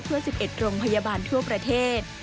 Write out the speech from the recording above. เพื่อ๑๑โรงพยาบาลทั่วประเทศ